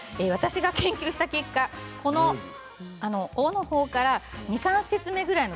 私が研究した結果この尾のほうから２関節目